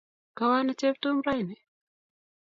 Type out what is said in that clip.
Kawo ano Cheptum raini?